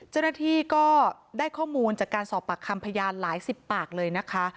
เจ้าหน้าที่ก็ได้ข้อมูลจากการสอบปากคำพยานหลายสิบปากเลยนะคะ